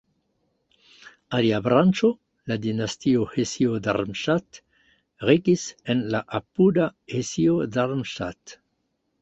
Alia branĉo, la dinastio Hesio-Darmstadt regis en la apuda Hesio-Darmstadt.